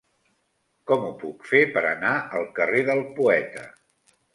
Com ho puc fer per anar al carrer del Poeta?